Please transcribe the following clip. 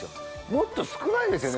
もっと少ないですよね？